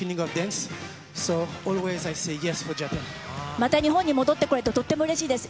また日本に戻ってこれて、とってもうれしいです。